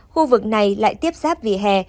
khu vực này lại tiếp xác vì hè